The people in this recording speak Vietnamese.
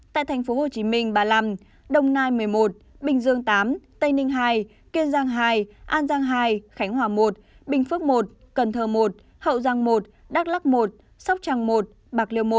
tại tp hcm ba mươi năm đồng nai một mươi một bình dương viii tây ninh hai kiên giang hai an giang hai khánh hòa một bình phước một cần thơ một hậu giang một đắk lắc một sóc trăng một bạc liêu một